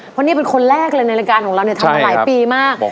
เพราะนี่เป็นคนแรกเลยในรายการของเราเนี่ยทำมาหลายปีมาก